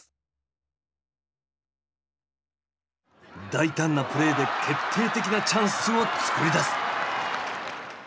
大胆なプレーで決定的なチャンスを作り出す。